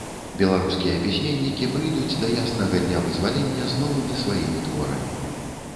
Беларускія пісьменнікі прыйдуць да яснага дня вызвалення з новымі сваімі творамі.